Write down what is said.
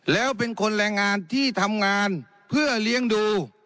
แล้วเป็นคนแรงงานที่ทำงานเพื่อเลี้ยงดู